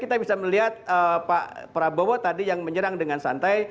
kita bisa melihat pak prabowo tadi yang menyerang dengan santai